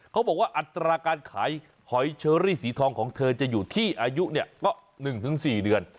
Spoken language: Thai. เขาบอกว่าอัตราการขายหอยเชอรี่สีทองของเธอจะอยู่ที่อายุเนี่ยก็๑๔เดือน